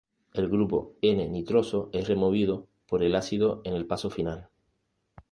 El grupo N-nitroso es removido por el ácido en el paso final.